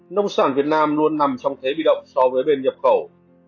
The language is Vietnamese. nông sản việt nam luôn nằm trong thế bị động so với bên nhập khẩu